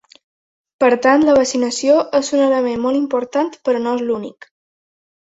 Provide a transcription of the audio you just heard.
Per tant, la vaccinació és un element molt important, però no és l’únic.